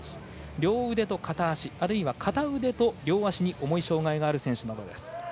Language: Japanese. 両腕と片足あるいは片腕と両足に重い障がいがある選手です。